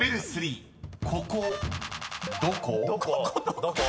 ここどこ？］